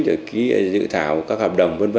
rồi ký dự thảo các hợp đồng v v